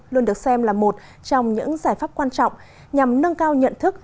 luôn được xem là một trong những giải pháp quan trọng nhằm nâng cao nhận thức